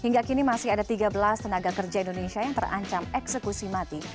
hingga kini masih ada tiga belas tenaga kerja indonesia yang terancam eksekusi mati